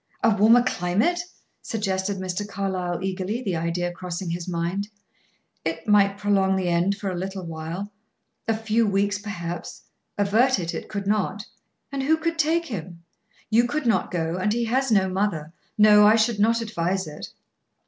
"A warmer climate?" suggested Mr. Carlyle eagerly, the idea crossing his mind. "It might prolong the end for a little while a few weeks, perhaps avert it it could not. And who could take him? You could not go; and he has no mother. No! I should not advise it."